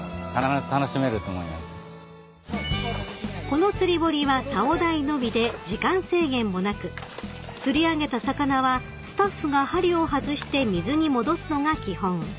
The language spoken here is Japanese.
［この釣り堀はさお代のみで時間制限もなく釣り上げた魚はスタッフが針を外して水に戻すのが基本］